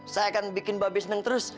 saya akan bikin mbak bes neng terus